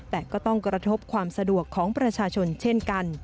แต่ก็ต้องกระทบความสะดวกของประชาชนเช่นกัน